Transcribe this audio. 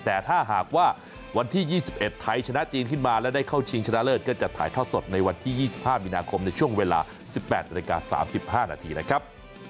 แต่ถ้าหากว่าวันที่๒๑ไทยชนะจีนขึ้นมาและได้เข้าชิงชนะเลิศก็จะถ่ายทอดสดในวันที่๒๕มีนาคมในช่วงเวลา๑๘นาฬิกา๓๕นาทีนะครับ